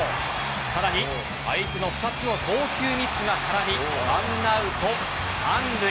さらに相手の２つの送球ミスが絡み１アウト三塁。